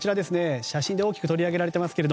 写真で大きく取り上げられています。